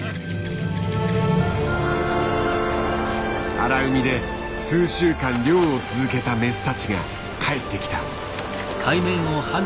荒海で数週間漁を続けたメスたちが帰ってきた。